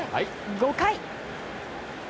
５回。